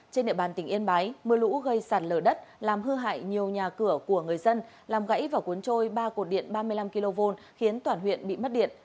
trên địa bàn tỉnh yên bái mưa lũ gây sạt lở đất làm hư hại nhiều nhà cửa của người dân làm gãy và cuốn trôi ba cột điện ba mươi năm kv khiến toàn huyện bị mất điện